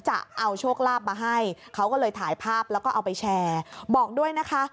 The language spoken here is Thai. จะเอาโชคลาภมาให้เขาก็เลยถ่ายภาพแล้วก็เอาไปแชร์บอกด้วยนะคะ